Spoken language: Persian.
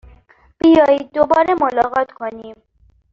بیایید دوباره ملاقات کنیم!